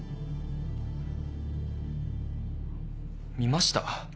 見ました。